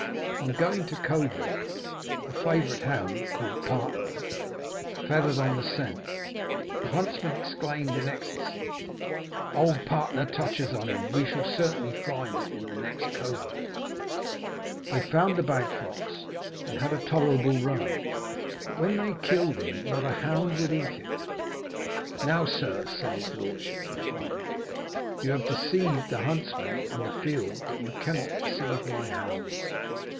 On going to covert, a favourite hound, called Partner, feathered on the scent. The huntsman exclaimed in ecstacy, 'Old Partner touches on him; we shall certainly find in the next covert.' They found the bag fox, and had a tolerable run; but when they killed him, not a hound would eat him! 'Now, Sir,' said his lordship to the farmer, 'you have deceived the huntsman and the field, but you cannot deceive my hounds.'